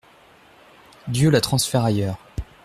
Dieu la transfère ailleurs.